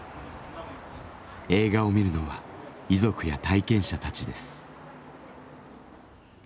映画を見るのは遺族や体験者たちです。